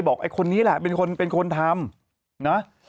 บอกไอ้คนนี้แหละเป็นคนทำ